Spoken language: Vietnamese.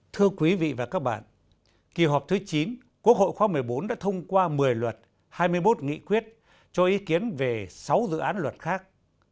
thưa quý vị và các bạn kỳ họp thứ chín quốc hội khóa một mươi bốn đã thông qua một mươi luật hai mươi một nghị quyết cho ý kiến về sáu dự án luật khác